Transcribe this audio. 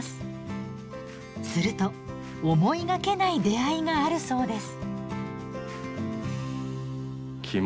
すると思いがけない出会いがあるそうです。